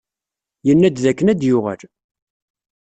Yenna-d dakken ad d-yuɣal.